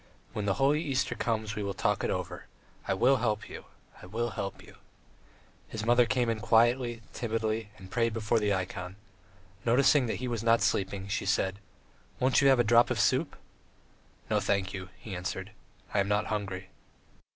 When the holy Easter comes, we will talk it over. ... I will help you. ... I will help you. ..." His mother came in quietly, timidly, and prayed before the ikon. Noticing that he was not sleeping, she said: "Won't you have a drop of soup?" "No, thank you," he answered, "I am not hungry."